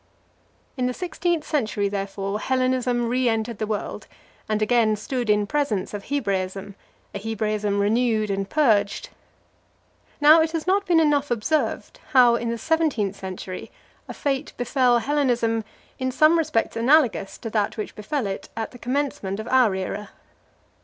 In the sixteenth century, therefore, Hellenism re entered the world, and again stood in presence of Hebraism, a Hebraism renewed and purged. Now, it has not been enough observed, how, in the seventeenth century, a fate befell Hellenism in some respects analogous to that which befell it at the commencement of our era.